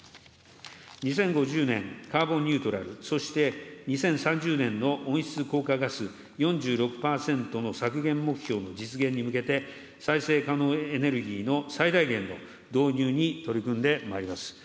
２０５０年カーボンニュートラル、そして２０３０年の温室効果ガス４６％の削減目標の実現に向けて、再生可能エネルギーの最大限の導入に取り組んでまいります。